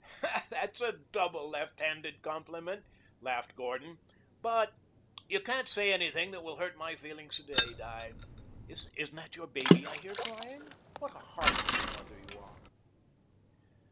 "That's a double, left handed compliment," laughed Gordon. "But you can't say anything that will hurt my feelings to day, Di. Isn't that your baby I heap crying? What a heartless mother you are!"